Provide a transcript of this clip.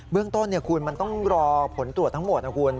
เรื่องต้นคุณมันต้องรอผลตรวจทั้งหมดนะคุณ